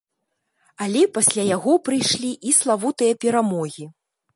Але пасля яго прыйшлі і славутыя перамогі.